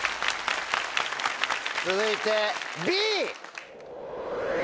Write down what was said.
続いてＢ！